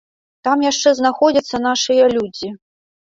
Там яшчэ знаходзяцца нашыя людзі.